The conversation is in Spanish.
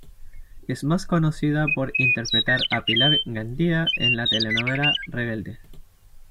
Es más conocida por interpretar a Pilar Gandía en la telenovela "Rebelde".